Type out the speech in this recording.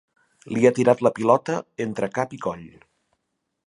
Li ha tirat la pilota entre cap i coll.